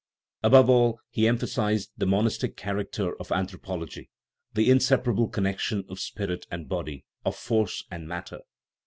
" Above all, he emphasized the monistic character of anthro pology, the inseparable connection of spirit and body, of force and matter.